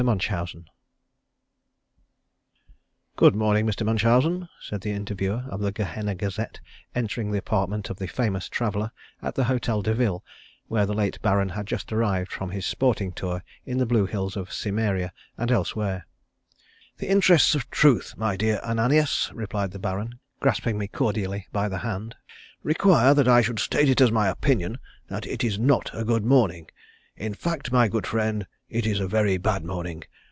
MUNCHAUSEN "Good morning, Mr. Munchausen," said the interviewer of the Gehenna Gazette entering the apartment of the famous traveller at the Hotel Deville, where the late Baron had just arrived from his sporting tour in the Blue Hills of Cimmeria and elsewhere. "The interests of truth, my dear Ananias," replied the Baron, grasping me cordially by the hand, "require that I should state it as my opinion that it is not a good morning. In fact, my good friend, it is a very bad morning.